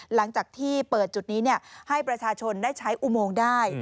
หลังจากที่เปิดจุดนี้ให้ประชาชนได้ใช้อุโมงได้